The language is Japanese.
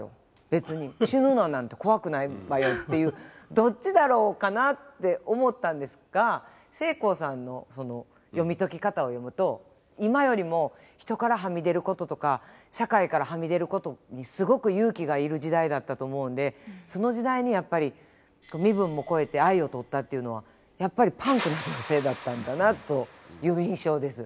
別に死ぬのなんて怖くないわよ」っていうどっちだろうかなって思ったんですがせいこうさんの読み解き方を読むと今よりも人からはみ出ることとか社会からはみ出ることにすごく勇気がいる時代だったと思うんでその時代にやっぱり身分もこえて愛をとったっていうのはやっぱりパンクな女性だったんだなという印象です。